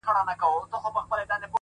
• خو چي زه مي د مرګي غېږي ته تللم ,